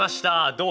どう？